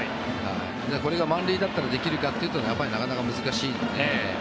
これが満塁だったらできるかというとやっぱりなかなか難しい。